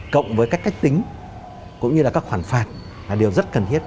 cộng với các cách tính cũng như là các khoản phạt là điều rất cần thiết